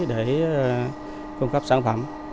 để cung cấp sản phẩm